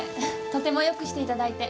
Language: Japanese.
とてもよくしていただいて。